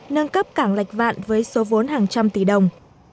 nâng cấp cảng lạch vạn với số vốn hàng trăm tỷ đồng